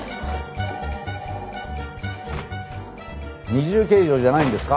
二重計上じゃないんですか？